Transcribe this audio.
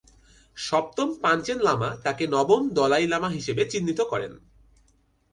সপ্তম পাঞ্চেন লামা তাকে নবম দলাই লামা হিসেবে চিহ্নিত করেন।